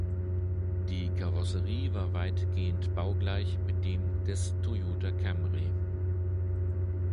Die Karosserie war weitgehend baugleich mit dem des Toyota Camry.